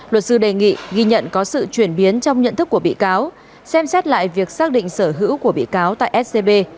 luật sư đề nghị ghi nhận có sự chuyển biến trong nhận thức của bị cáo xem xét lại việc xác định sở hữu của bị cáo tại scb